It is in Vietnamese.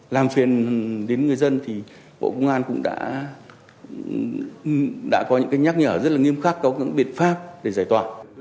làm truyền đến người dân thì bộ công an cũng đã có những cái nhắc nhở rất là nghiêm khắc có những biện pháp để giải tỏa